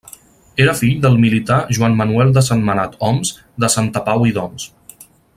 Era fill del militar Joan Manuel de Sentmenat-Oms de Santapau i d'Oms.